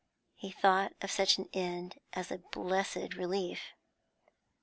He thought of such an end as a blessed relief.